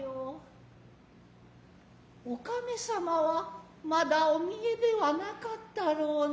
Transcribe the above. お亀様はまだお見えではなかつたらうね。